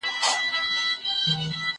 هغه وويل چي لوبي ضروري دي!؟